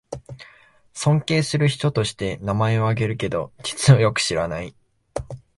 尊敬する人として名前をあげるけど、実はよく知らない